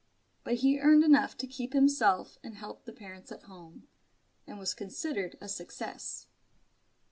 But he earned enough to keep himself and help the parents at home; and was considered a success.